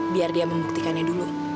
biar dia membuktikannya dulu